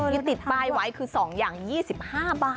ที่ติดป้ายไว้คือ๒อย่าง๒๕บาท